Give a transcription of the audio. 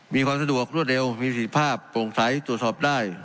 มีความสะดวกรวดเร็วมีสิทธิภาพโปร่งใสตรวจสอบได้